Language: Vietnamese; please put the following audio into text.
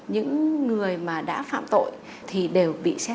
những người mà đã phạm tội thì đều bị xét xử